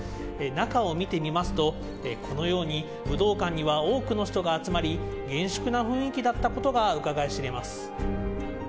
中を見てみますと、このように武道館には多くの人が集まり、厳粛な雰囲気だったことがうかがい知れます。